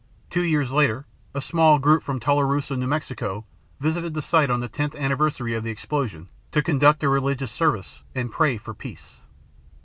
Two years later, a small group from Tularosa, NM visited the site on the 10th anniversary of the explosion to conduct a religious service and pray for peace.